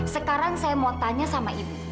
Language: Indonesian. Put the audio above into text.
sekarang saya mau tanya sama ibu